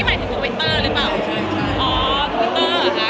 อ๋อตัวเวลต่อค่ะ